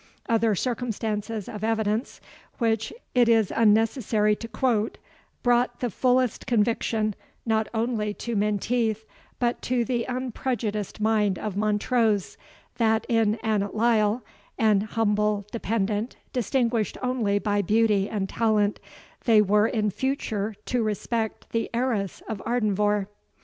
Other circumstances of evidence, which it is unnecessary to quote, brought the fullest conviction not only to Menteith, but to the unprejudiced mind of Montrose, that in Annot Lyle, an humble dependant, distinguished only by beauty and talent, they were in future to respect the heiress of Ardenvohr.